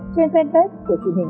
trên fanpage của bộ công an